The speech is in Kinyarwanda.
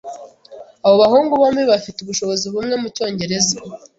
Abo bahungu bombi bafite ubushobozi bumwe mucyongereza.